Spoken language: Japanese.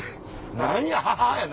何や！